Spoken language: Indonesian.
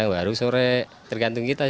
suatu luxury oklahoma gitu kan